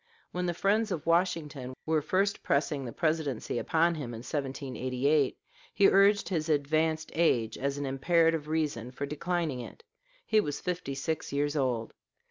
When the friends of Washington were first pressing the Presidency upon him in 1788, he urged his "advanced age" as an imperative reason for declining it: he was fifty six years old.